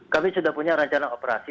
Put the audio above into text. kami sudah punya rencana operasi